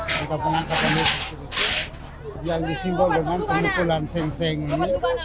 kita penangkapan yesus kristus yang disimbol dengan penumpulan seng seng ini